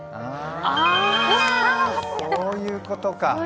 ああ、そういうことか。